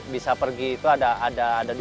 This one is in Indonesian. bisa pergi itu ada